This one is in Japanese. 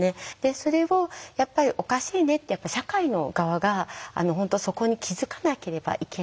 それをやっぱりおかしいねって社会の側が本当そこに気付かなければいけない。